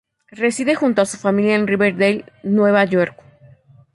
Reside junto a su familia en Riverdale, Nueva York.